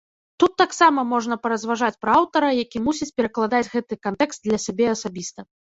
Тут таксама можна паразважаць пра аўтара, які мусіць перакладаць гэты кантэкст для сябе асабіста.